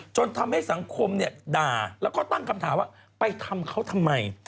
จนทำให้สังคมด่าแล้วก็ตั้งคำถามว่าไปทำเขาทำไม